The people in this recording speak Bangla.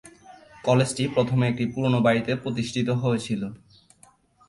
কলেজটি প্রথম একটি পুরানো বাড়িতে প্রতিষ্ঠিত হয়েছিল।